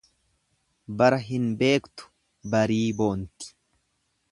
Bara hin beektu barii boonti.